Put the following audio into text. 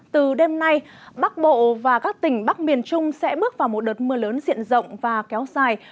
từ đêm nay bắc bộ và các tỉnh bắc miền trung sẽ bước vào một đợt mưa lớn diện rộng và kéo dài